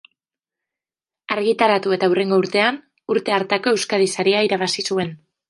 Argitaratu eta hurrengo urtean, urte hartako Euskadi Saria irabazi zuen.